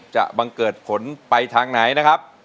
บังเกิดผลไปทางไหนนะครับ